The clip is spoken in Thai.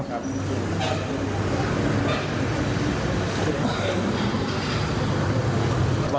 ขอบคุณครับ